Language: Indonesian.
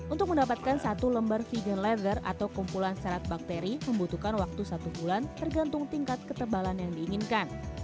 untuk mendapatkan satu lembar vegan leather atau kumpulan serat bakteri membutuhkan waktu satu bulan tergantung tingkat ketebalan yang diinginkan